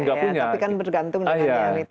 tapi kan bergantung dengan yang itu